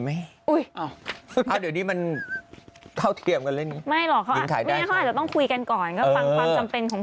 ไหมเอาเดี๋ยวนี้มันเข้าเทียมกันเลยไม่หรอกเขาอาจจะต้องคุยกันก่อนก็ฟังความจำเป็นของ